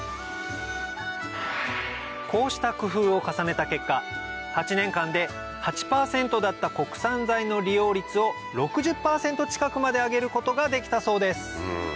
こうした工夫を重ねた結果８年間で８％だった国産材の利用率を６０％近くまで上げることができたそうです